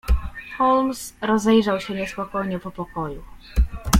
"Holmes rozejrzał się niespokojnie po pokoju."